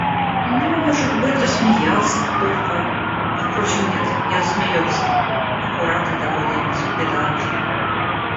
Ну, может быть, засмеялся бы только... Впрочем, нет, не рассмеется, — аккуратный такой немец, педант.